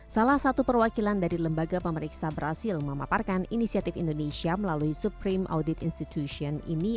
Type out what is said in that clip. salah satu perwakilan dari lembaga pemeriksa berhasil memaparkan inisiatif indonesia melalui supreme audit institution ini